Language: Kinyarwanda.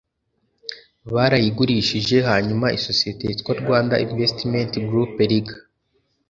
barayigurishije hanyuma isosiyete yitwa rwanda investment group rig